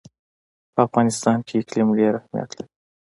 په افغانستان کې اقلیم ډېر اهمیت لري.